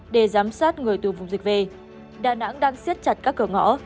để giám sát người từ vùng dịch về đà nẵng đang siết chặt các cửa ngõ